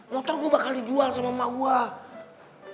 motor gue bakal dijual sama emak gue